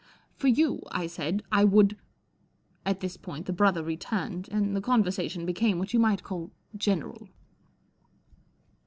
" For you," I said, " I would " At this point the brother returned, and the conversation became what you might call general.